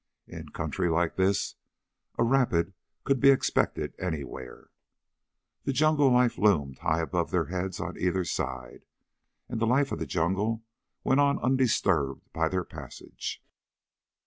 In country like this a rapid could be expected anywhere. The jungle life loomed high above their heads on either side, and the life of the jungle went on undisturbed by their passage.